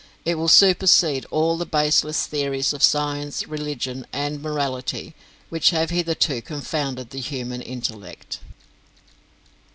It will supersede all the baseless theories of science, religion, and morality which have hitherto confounded the human intellect.